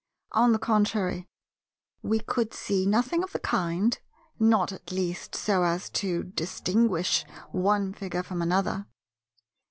On the contrary, we could see nothing of the kind, not at least so as to distinguish one figure from another.